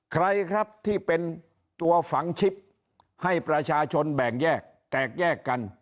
ใครครับที่เป็นตัวฝังชิปให้ประชาชนแบ่งแยกแตกแยกกัน